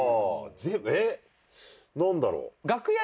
えっなんだろう？